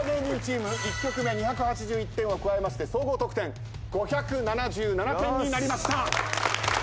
１曲目２８１点を加えまして総合得点５７７点になりました。